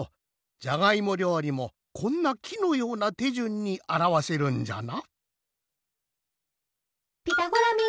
じゃがいもりょうりもこんなきのようなてじゅんにあらわせるんじゃな。